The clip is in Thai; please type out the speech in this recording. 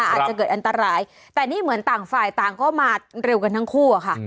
อาจจะเกิดอันตรายแต่นี่เหมือนต่างฝ่ายต่างก็มาเร็วกันทั้งคู่อะค่ะ